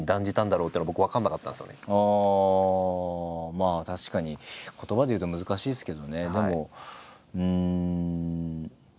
まあ確かに言葉で言うと難しいですけどね。